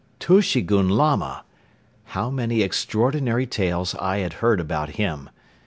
Tushegoun Lama! How many extraordinary tales I had heard about him.